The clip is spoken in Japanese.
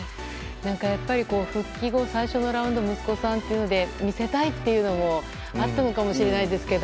復帰後、最初のラウンド息子さんとで見せたいというのもあったのかもしれないですけど